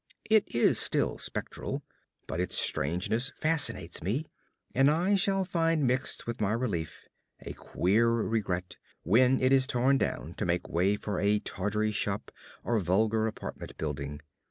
It is still spectral, but its strangeness fascinates me, and I shall find mixed with my relief a queer regret when it is torn down to make way for a tawdry shop or vulgar apartment building.